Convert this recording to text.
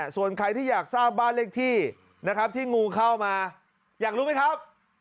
ส่วนใครที่อยากทราบบ้านเลขที่นะครับที่งูเข้ามาอยากรู้ไหมครับ